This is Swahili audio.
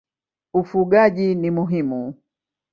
Ufugaji ni muhimu.